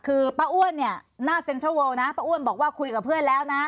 คือป้าอ้วนเนี่ยหน้าเซ็นทรัลเวิลนะป้าอ้วนบอกว่าคุยกับเพื่อนแล้วนะ